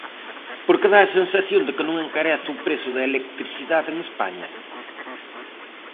Porque dá a sensación de que non encarece o prezo da electricidade en España.